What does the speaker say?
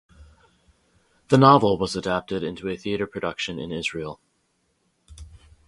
The novel was adapted into a theater production in Israel.